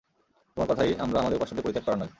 তোমার কথায়ই আমরা আমাদের উপাস্যদের পরিত্যাগ করার নই।